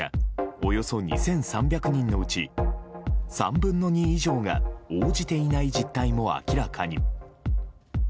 およそ２３００人のうち３分の２以上が応じていない実態も明らかに。